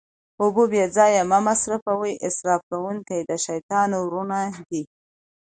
اوبه بې ځایه مه مصرفوئ، اسراف کونکي د شيطان وروڼه دي